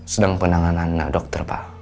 sedang penanganan dokter pak